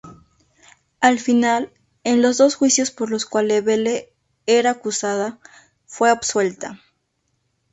Al final, en los dos juicios por los cuales Belle era acusada, fue absuelta.